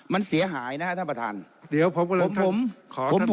มันเสียหายนะครับท่านประธาน